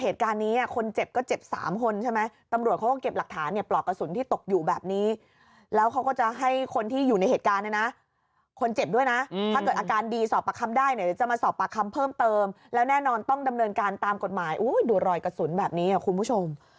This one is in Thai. ตามกฎหมายโอ้ยดูรอยกระสุนแบบนี้คุณผู้ชม